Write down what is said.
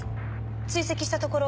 追跡したところ